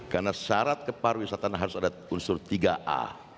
karena syarat kepariwisataan harus ada unsur tiga a